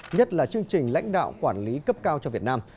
nhất là chương trình lãnh đạo quản lý cấp cao cho việt nam